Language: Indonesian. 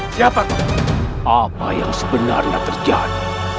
siapa tahu apa yang sebenarnya terjadi